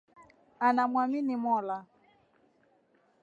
Anamwamini Mola